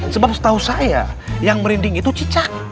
sebab setahu saya yang merinding itu cicak